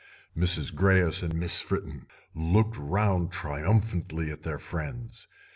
Mrs. Greyes and Miss Fritten looked round triumphantly at their friends.